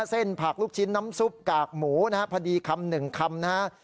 เส้นผักลูกชิ้นน้ำซุปกากหมูนะฮะพอดีคำหนึ่งคำนะฮะ